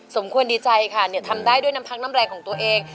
สมควรดีใจค่ะทำได้ด้วยน้ำพักน้ำแรงของตัวเอง